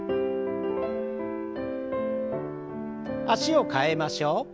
脚を替えましょう。